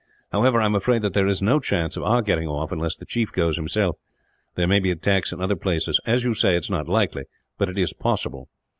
"However, I am afraid that there is no chance of our getting off, unless the chief goes, himself. There may be attacks in other places. As you say, it is not likely; but it is possible.